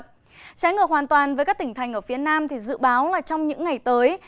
trái ngược hoàn toàn với các tỉnh thành ở phía nam thì dự báo là trong những ngày tới